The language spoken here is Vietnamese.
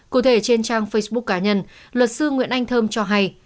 cụ thể trên trang facebook cá nhân luật sư nguyễn anh thơm cho hay